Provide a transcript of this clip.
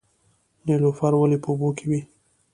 نیلوفر ولې په اوبو کې وي؟